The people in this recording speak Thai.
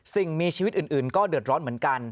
สิ่งมีชีวิตอื่นก็เดือดร้อนเหมือนกัน